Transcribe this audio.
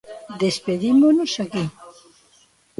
Despedímonos aquí.